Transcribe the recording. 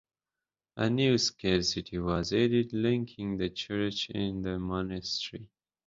A new sacristy was added linking the church and the monastery.